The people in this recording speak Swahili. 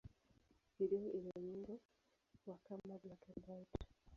Video ina muundo wa kama black-and-white.